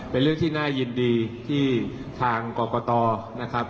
เป็นเรื่องที่น่ายินดีที่ทางกรกตนะครับ